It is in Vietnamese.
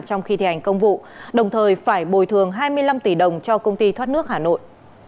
trong khi thi hành công vụ đồng thời phải bồi thường hai mươi năm tỷ đồng cho công ty thoát nước hà nội